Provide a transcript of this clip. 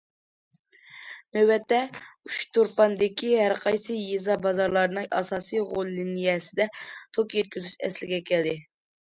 نۆۋەتتە ئۇچتۇرپاندىكى ھەرقايسى يېزا- بازارلارنىڭ ئاساسىي غول لىنىيەسىدە توك يەتكۈزۈش ئەسلىگە كەلدى.